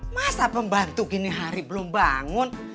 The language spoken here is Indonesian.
masa pembantu gini hari belum bangun